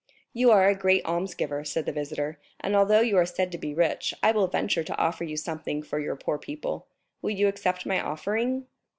"You are a great almsgiver," said the visitor, "and although you are said to be rich, I will venture to offer you something for your poor people; will you accept my offering?"